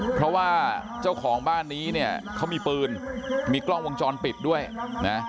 เพราะว่าเจ้าของบ้านนี้เนี่ยเขามีปืนมีกล้องวงจรปิดด้วยนะ